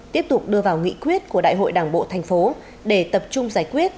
tiếp tục đưa vào nghị quyết của đại hội đảng bộ thành phố để tập trung giải quyết